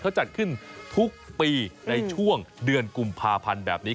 เขาจัดขึ้นทุกปีในช่วงเดือนกุมภาพันธ์แบบนี้